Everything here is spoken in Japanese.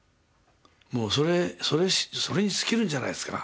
もうそれに尽きるんじゃないですか？